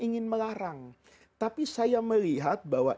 ingin melarang tapi saya melihat bahwa